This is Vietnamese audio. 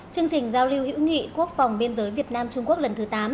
chương trình giao lưu hữu nghị quốc phòng biên giới việt nam trung quốc lần thứ tám